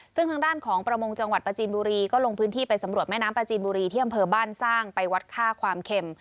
ซึ่งทางด้านของประมงจังหวัดประจีนบุรีก็ลงพื้นที่ไปสำรวจแม่น้ำปลาจีนบุรีที่อำเภอบ้านสร้างไปวัดค่าความเข็ม